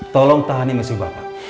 tolong tahanin mesin bapak